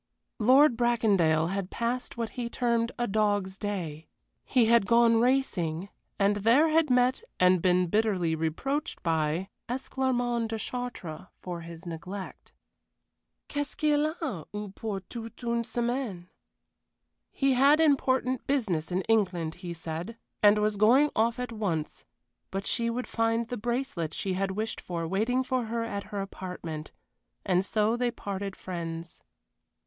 Lord Bracondale had passed what he termed a dog's day. He had gone racing, and there had met, and been bitterly reproached by, Esclarmonde de Chartres for his neglect. Qu'est ce qu'il a eu pour toute une semaine? He had important business in England, he said, and was going off at once; but she would find the bracelet she had wished for waiting for her at her apartment, and so they parted friends.